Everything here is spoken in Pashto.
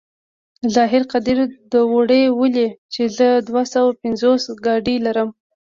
ظاهر قدير دوړې ولي چې زه دوه سوه پينځوس ګاډي لرم.